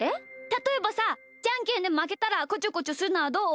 たとえばさじゃんけんでまけたらこちょこちょするのはどう？